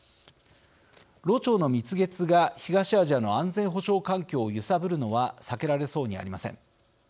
ロ朝の蜜月が東アジアの安全保障環境を揺さぶるのは避けられそうにありません。